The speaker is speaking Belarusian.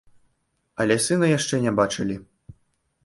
Але сына яшчэ не бачылі.